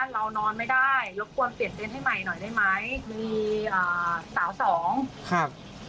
เรานอนไม่ได้รบกวนเปลี่ยนให้ใหม่หน่อยได้ไหมมีอ่าสาวสองครับ